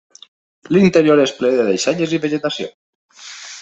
L'interior és ple de deixalles i vegetació.